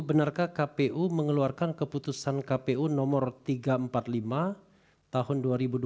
benarkah kpu mengeluarkan keputusan kpu nomor tiga ratus empat puluh lima tahun dua ribu dua puluh